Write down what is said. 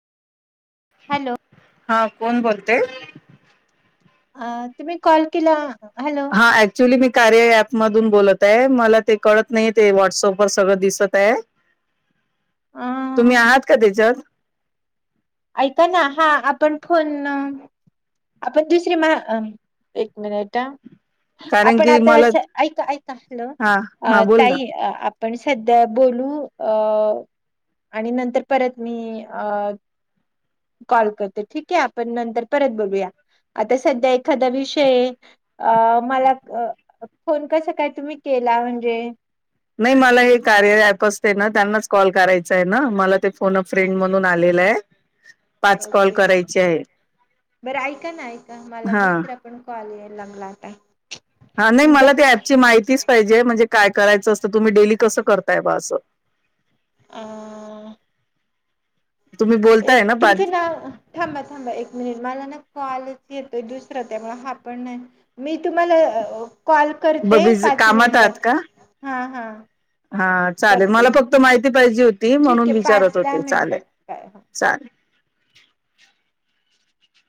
Hello हा कोण बोलतय अ तुम्ही कॉल केला हॅलो हा ऍक्च्युली मी कार्य प मधून बोलत आहे मला ते कळत नाही ते व्हॉट्सअप व सगळं दिसत आहे अ तुम्ही आहात का त्याच्यात ऐका ना हा आपण फोन आपण दुसरी मा एक मिनिट कारण आपण की आता मला असं ऐका ऐका हॅलो हा अ हा बोल ना. ताई आपण सध्या बोलू अ आणि नंतर परत मी अ कॉल करतो ठीक आहे आपण नंतर परत बोलूया आता सध्या एखादा विषय अ मला फोन कसा काय तुम्ही केला म्हणजे नाही मला हे कार्य अँप असते ना त्यांनाच कॉल करायचा आहे ना मला ते फोन फ्रेंड म्हणून आलेलं आहे पाच कॉल ओके करायचे आहे बरं ऐका ना ऐका मला हा. दुसरा पण कॉल आहे लंगलात आहे हा नाही मला त्या अँपची माहितीच पाहिजे म्हणजे काय करायचं असतं तुम्ही डेली कसं करताय बा असं आ तुम्ही एक बोलताय ना तुमचं पाच नाव थांबा थांबा एक माझा ना कॉलच येतोय दुसरा त्यामुळ हा पण नाही मी तुम्हाला कॉल करते बिझी पाच कामात आहात मिनिटात का? हां हां हा चालेल करते मला मी फक्त माहिती पाहिजे होती ठीक म्हणून आहे पाच विचारत दहा होते मिनिटात चालेल काय चालेल.